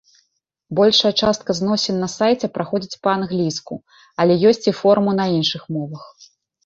Большая частка зносін на сайце праходзіць па-англійску, але ёсць і форумы на іншых мовах.